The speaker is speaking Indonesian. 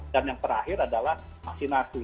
dan yang terakhir adalah vaksinasi